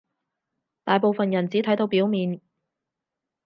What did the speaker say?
大部分人只睇到表面